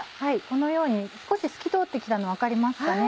このように少し透き通って来たの分かりますかね。